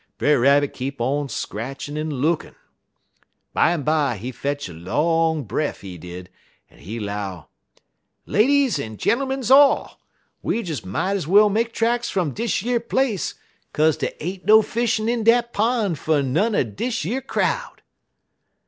Brer Rabbit keep on scratchin' en lookin'. "Bimeby he fetch a long bref, he did, en he 'low: "'Ladies en gentermuns all, we des might ez well make tracks fum dish yer place, kaze dey ain't no fishin' in dat pon' fer none er dish yer crowd.'